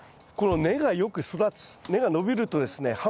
この根がよく育つ根が伸びるとですね